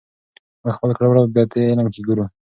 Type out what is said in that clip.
موږ خپل کړه وړه پدې علم کې ګورو.